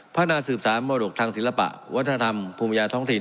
พัฒนาสืบสามโมรกศิลปะธรรมพุมยาท้องถิ่น